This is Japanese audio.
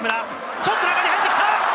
ちょっと高めに入ってきた！